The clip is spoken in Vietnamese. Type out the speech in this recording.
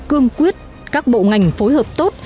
cương quyết các bộ ngành phối hợp tốt